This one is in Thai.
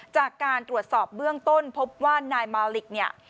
จากการตรวจสอบเบื้องต้นพบว่านายมาวลิกเนี่ย